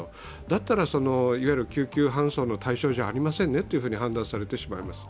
だったらいわゆる救急搬送の対象じゃありませんねと判断されてしまいます。